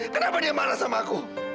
kenapa dia marah sama aku